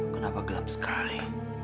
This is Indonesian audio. kenapa gelap sekali